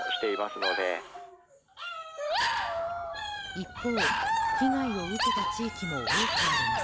一方、被害を受けた地域も多くあります。